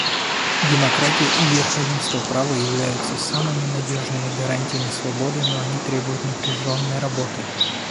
Демократия и верховенство права являются самыми надежными гарантиями свободы, но они требуют напряженной работы.